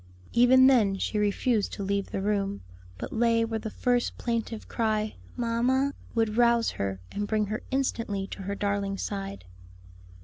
Even then she refused to leave the room, but lay where the first plaintive cry, "Mamma," would rouse her and bring her instantly to her darling's side.